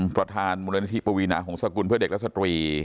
ประทานบุหรณฤทธิภูมินาหงสกุลเพื่อเด็กและสตรี